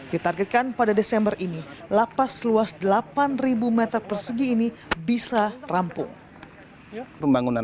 ditargetkan pada desember ini lapas luas delapan ribu meter persegi ini bisa rampung